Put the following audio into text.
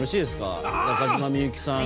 中島みゆきさん。